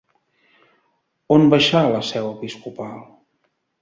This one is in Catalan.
On baixà la seu episcopal?